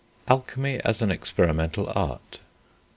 ALCHEMY AS AN EXPERIMENTAL ART.